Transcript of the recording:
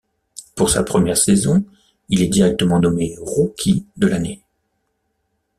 Pour sa première saison, il est directement nommé Rookie de l'année.